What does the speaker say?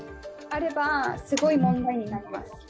あれば、問題になります。